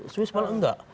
swiss malah enggak